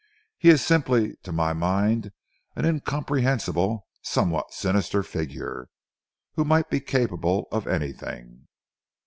"He is simply, to my mind, an incomprehensible, somewhat sinister figure, who might be capable of anything.